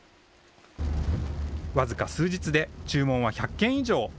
僅か数日で注文は１００件以上。